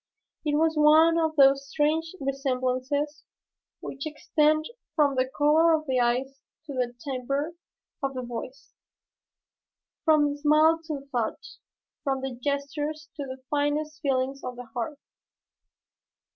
It was one of those strange resemblances which extend from the color of the eyes to the 'timbre' of the voice, from the smile to the thought, from the gestures to the finest feelings of the heart.